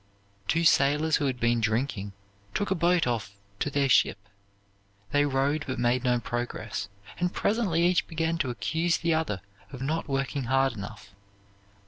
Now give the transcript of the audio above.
Two sailors, who had been drinking, took a boat off to their ship. They rowed but made no progress; and presently each began to accuse the other of not working hard enough.